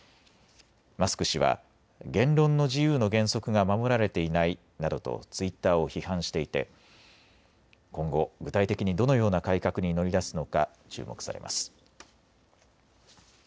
マスク氏は言論の自由の原則が守られていないなどとツイッターを批判していて今後、具体的にどのような改革に乗り出すのか注目されます。